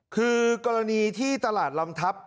คือกรณีที่ตลาดลำทัพ